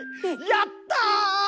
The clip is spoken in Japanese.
やった！